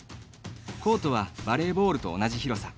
コートはバレーボールと同じ広さ。